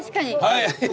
はい。